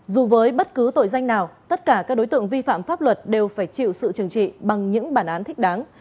dù với bất cứ tội danh nào tất cả các đối tượng vi phạm pháp luật đều phải chịu sự trừng trị bằng những bản án thích đáng